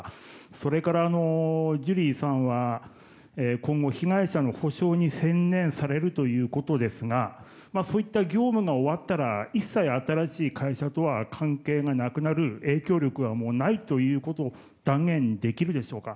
それから、ジュリーさんは今後、被害者の補償に専念されるということですがそういった業務が終わったら一切新しい会社とは関係がなくなる影響力がないということを断言できるでしょうか。